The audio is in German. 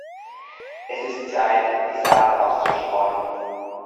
Es ist Zeit, die Saat auszustreuen.